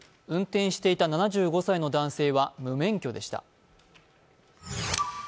運転していた７５歳の男性は無免許でした。